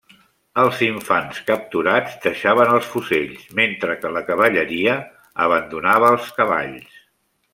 Els infants capturats deixaven els fusells, mentre que la cavalleria abandonava els cavalls.